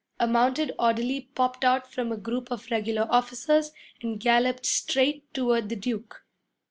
A mounted orderly popped out from a group of regular officers and galloped straight toward the Duke.